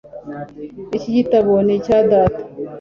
Iki gitabo ni icya data